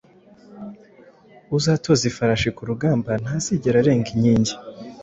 Uzatoza Ifarashi kurugamba ntazigera arenga inkingi